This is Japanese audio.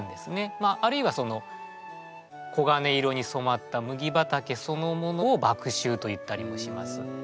まああるいはその黄金色に染まった麦畑そのものを「麦秋」といったりもします。